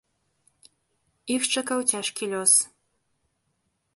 Іх чакаў цяжкі лёс.